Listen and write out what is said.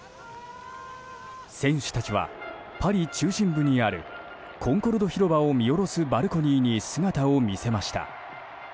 選手たちはパリ中心部にあるコンコルド広場を見下ろすバルコニーに姿を見せました。